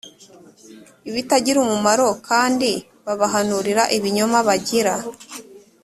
ibitagira umumaro s kandi babahanurira ibinyoma bagira